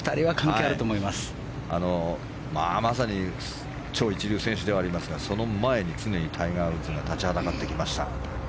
まさに超一流選手ではありますが、その前に常にタイガー・ウッズが立ちはだかってきました。